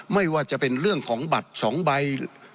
ไม่ว่าจะเป็นเรื่องของบัตร๒ใบ